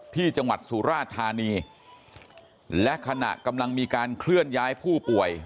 ที่จังหวัดสุราธานีและขณะกำลังมีการเคลื่อนย้ายผู้ป่วย